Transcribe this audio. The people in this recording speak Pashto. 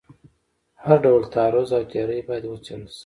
هر ډول تعرض او تیری باید وڅېړل شي.